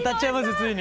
ついに。